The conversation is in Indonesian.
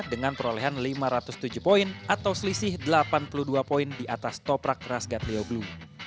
dengan perolehan lima ratus tujuh poin atau selisih delapan puluh dua poin di atas toprak rasgat leo glue